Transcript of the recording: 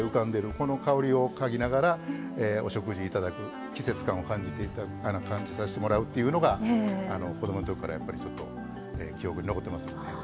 この香りを嗅ぎながらお食事いただく季節感を感じさしてもらうっていうのが子どものときからやっぱりちょっと記憶に残ってますよね。